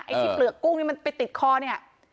ไอ้ที่เปลือกกุ้งนี่มันไปติดคอเนี่ย